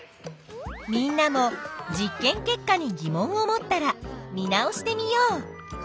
みんなも実験結果に疑問を持ったら見直してみよう。